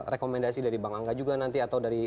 rekomendasi dari bang angga juga nanti atau dari